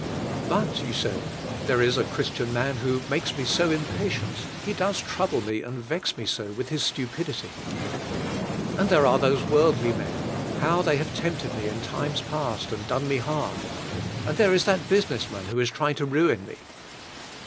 "But," you say, "there is a Christian man who makes me so impatient; he does trouble me and vex me so with his stupidity. And there are those worldly men; how they have tempted me in times past and done me harm ! And there is that business man who is trying to ruin me."